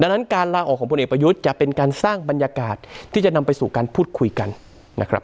ดังนั้นการลาออกของพลเอกประยุทธ์จะเป็นการสร้างบรรยากาศที่จะนำไปสู่การพูดคุยกันนะครับ